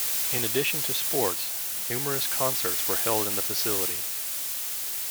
In addition to sports, numerous concerts were held in the facility.